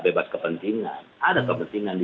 bebas kepentingan ada kepentingan di